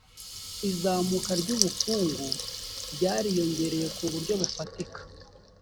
izamuka ry ubukungu ryariyongereye ku buryo bufatika